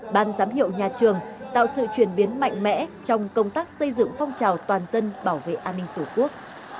ban giám hiệu nhà trường tạo sự chuyển biến mạnh mẽ trong công tác xây dựng phong trào toàn dân bảo vệ an ninh tổ quốc